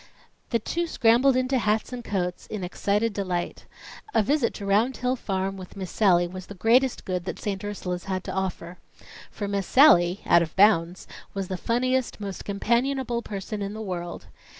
The two scrambled into hats and coats in excited delight. A visit to Round Hill Farm with Miss Sallie, was the greatest good that St. Ursula's had to offer. For Miss Sallie out of bounds was the funniest, most companionable person in the world.